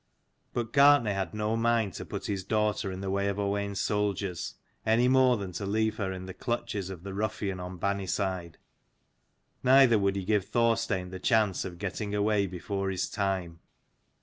But Gartnaidh had no mind to put his daughter in the way of O wain's soldiers, any more than to leave her in the clutches of the ruffian on Banniside: neither would he give Thorstein the chance of getting away before his time.